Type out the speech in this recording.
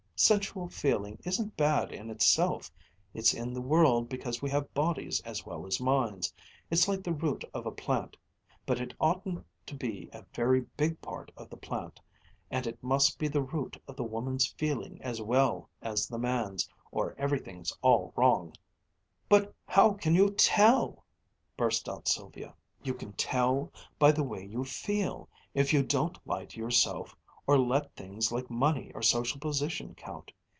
Sensual feeling isn't bad in itself. It's in the world because we have bodies as well as minds it's like the root of a plant. But it oughtn't to be a very big part of the plant. And it must be the root of the woman's feeling as well as the man's, or everything's all wrong." "But how can you tell!" burst out Sylvia. "You can tell by the way you feel, if you don't lie to yourself, or let things like money or social position count.